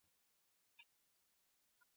دوی به د نړۍ څلورمه برخه هېر کوي.